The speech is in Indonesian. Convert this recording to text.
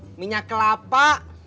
ini minyak kelapa